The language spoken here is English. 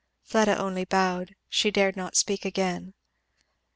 Fleda only bowed; she dared not speak again.